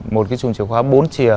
một cái chùm chìa khóa bốn chìa